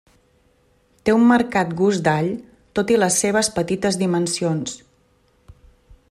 Té un marcat gust d'all tot i les seves petites dimensions.